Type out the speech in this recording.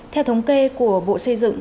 theo thống kê của bộ xây dựng